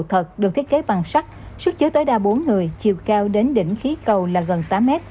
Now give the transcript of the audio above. khinh khí cầu thật được thiết kế bằng sắt sức chứa tối đa bốn người chiều cao đến đỉnh khí cầu là gần tám m